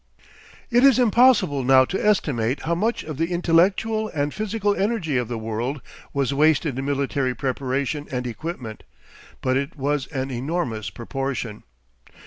It is impossible now to estimate how much of the intellectual and physical energy of the world was wasted in military preparation and equipment, but it was an enormous proportion.